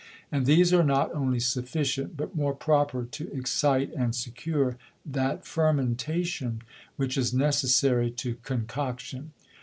And these are not only sufficient, but more proper to excite and secure that Fermentation, which is necessary to Concoction.